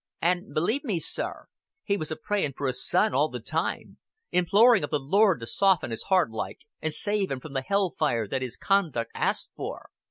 "An' believe me, sir, he was a praying for his son all the time imploring of the Lord to soften his heart like, and save him from the hell fire that his conduct asked for.